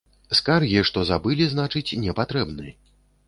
Скаргі, што забылі, значыць, не патрэбны.